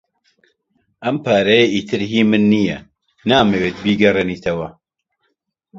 ئەم پارەیە ئیتر هی من نییە. نامەوێت بیگەڕێنیتەوە.